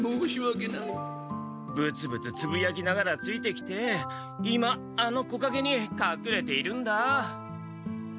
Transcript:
ぶつぶつつぶやきながらついてきて今あの木かげにかくれているんだ。